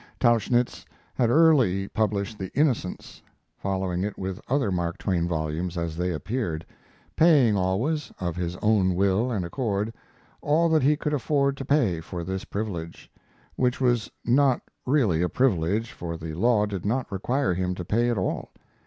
Tauchnitz had early published the 'Innocents', following it with other Mark Twain volumes as they appeared, paying always, of his own will and accord, all that he could afford to pay for this privilege; which was not really a privilege, for the law did not require him to pay at all.